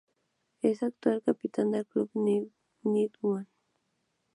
Es el actual capitán del Club Newman.